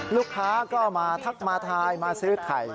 ลูกค้าก็มาทักมาทายมาซื้อไข่